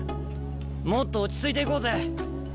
もっと落ち着いていこうぜ。